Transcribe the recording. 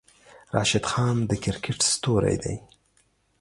راشد خان د کرکیټ ستوری دی.